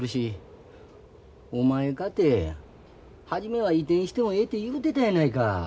お前かて初めは移転してもええて言うてたやないか。